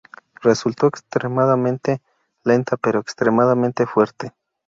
Resultó extremadamente lenta pero extremadamente fuerte.